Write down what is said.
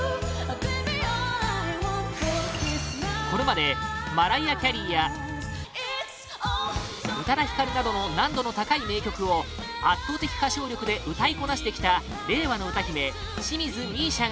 これまでマライア・キャリーや宇多田ヒカルなどの難度の高い名曲を圧倒的歌唱力で歌いこなしてきた令和の歌姫・清水美依